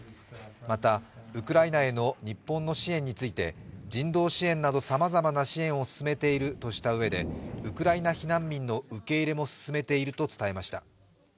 またウクライナへの日本の支援について人道支援などさまざまな支援を進めているとしたうえでウクライナ避難民の受け入れも進めていると伝えました。